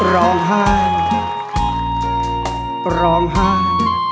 ร้องไห้ร้องไห้